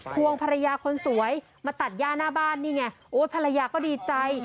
วงภรรยาคนสวยมาตัดย่าหน้าบ้านนี่ไงโอ้ยภรรยาก็ดีใจ